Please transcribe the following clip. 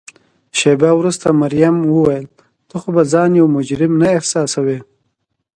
شیبه وروسته مريم وویل: ته خو به ځان یو مجرم نه احساسوې؟